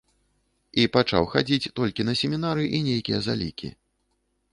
І пачаў хадзіць толькі на семінары і нейкія залікі.